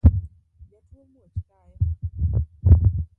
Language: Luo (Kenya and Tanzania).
Jatuo muoch kayo